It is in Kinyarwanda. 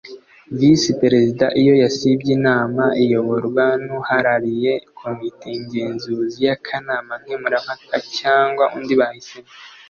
Visi Perezida iyo yasibye inama iyoborwa nuharariye komite ngenzuzi y’akanama nkemuramapaka cyangwa undi bahisemo.